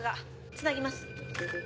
つなぎます。